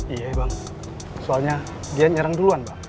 iya bang soalnya dia nyerang duluan bang